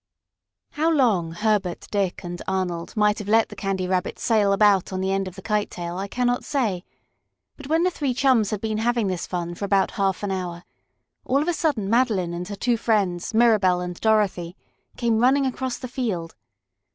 How long Herbert, Dick and Arnold might have let the Candy Rabbit sail about on the end of the kite tail I cannot say, but when the three chums had been having this fun for about half an hour, all of a sudden Madeline and her two friends, Mirabell and Dorothy, came running across the field.